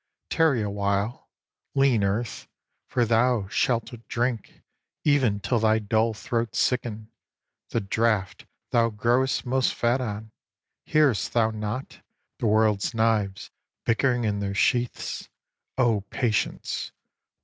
Tarry awhile, lean Earth, for thou shalt drink Even till thy dull throat sicken, The draught thou grow'st most fat on; hear'st thou not The world's knives bickering in their sheaths? O patience!